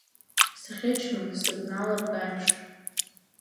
Сӷьычма, сыбналартә аиԥш!